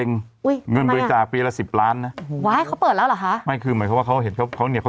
คนบอกวันนี้ที่หนูอ่านข่าวมากสุดละ